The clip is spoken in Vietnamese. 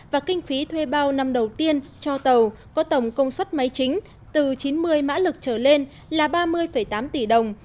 và kinh phí thuê bao năm đầu tiên cho tàu có tổng công suất máy chính từ chín mươi mã lực trở lên là ba mươi tám tỷ đồng